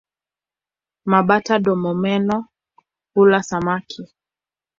Mabata-domomeno hula samaki.